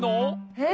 えっ？